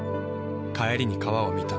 帰りに川を見た。